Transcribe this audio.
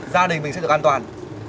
gia đình mình sẽ được an toàn